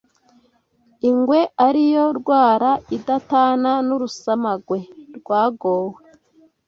ingwe ari yo rwara idatana n’urusamagwe rwagowe